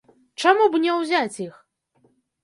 Чаму б не ўзяць іх?